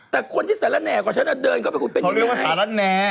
แต่คนที่สาระแน่กว่าฉันน่ะเดินเข้าไปคุณเป็นอย่างไงเขาเรียกว่าสาระแน่